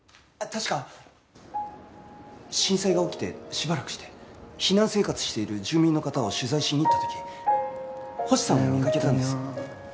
確か震災が起きてしばらくして避難生活している住民の方を取材しに行った時星さんを見かけたんです。